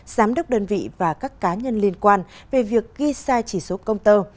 giám đốc đơn vị và các cá nhân liên quan về việc ghi sai chỉ số công tơ